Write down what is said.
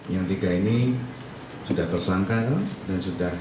yang tiga ini sudah tersangka dan sudah